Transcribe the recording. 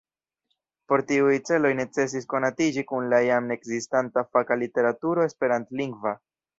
Por tiuj celoj necesis konatiĝi kun la jam ekzistanta faka literaturo esperantlingva.